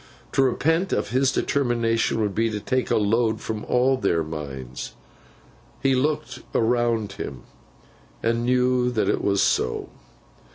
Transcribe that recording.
To repent of his determination, would be to take a load from all their minds. He looked around him, and knew that it was so.